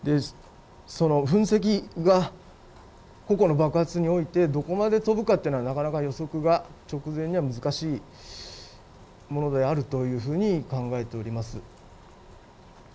その噴石が個々の爆発においてどこまで飛ぶのかというのはなかなか予測が難しいものではあるというふうに考えております。